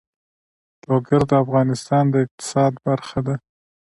لوگر د افغانستان د اقتصاد برخه ده.